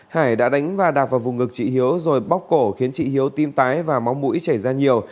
hải đã đánh và đạp vào vùng ngực chị hiếu rồi bóc cổ khiến chị hiếu tim tái và máu mũi chảy ra nhiều